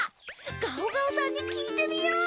ガオガオさんに聞いてみよう！